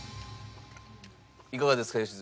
いかがですか？